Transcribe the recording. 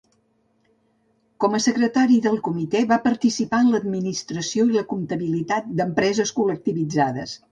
Com a secretari del Comitè va participar en l'administració i la comptabilitat d'empreses col·lectivitzades.